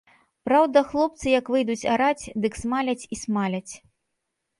Праўда, хлопцы як выйдуць араць, дык смаляць і смаляць.